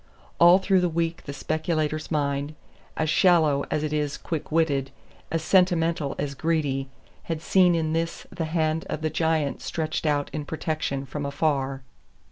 All through the week the speculator's mind, as shallow as it is quick witted, as sentimental as greedy, had seen in this the hand of the giant stretched out in protection from afar.